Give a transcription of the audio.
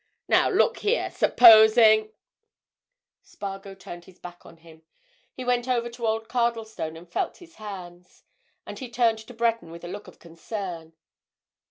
Now, look here! Supposing—" Spargo turned his back on him. He went over to old Cardlestone and felt his hands. And he turned to Breton with a look of concern.